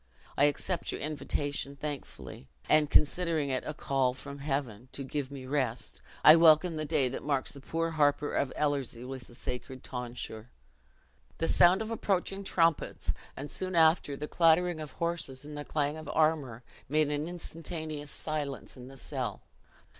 I accept your invitation thankfully; and, considering it a call from Heaven to give me rest, I welcome the day that marks the poor harper of Ellerslie with the sacred tonsure." The sound of approaching trumpets, and, soon after, the clattering of horses and the clang of armor, made an instantaneous silence in the cell.